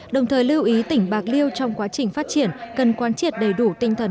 đồng thời lưu ý tỉnh bạc liêu trong quá trình phát triển cần quan triệt đầy đủ tinh thần